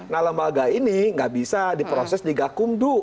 nah lembaga ini nggak bisa diproses di gakumdu